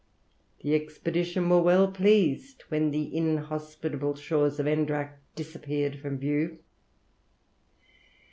The Expedition were well pleased when the inhospitable shores of Endracht disappeared from view.